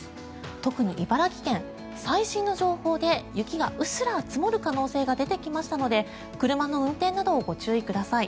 特に茨城県、最新の情報で雪がうっすら積もる可能性が出てきましたので車の運転などご注意ください。